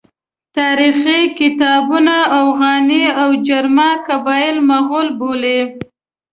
تاریخي کتابونه اوغاني او جرما قبایل مغول بولي.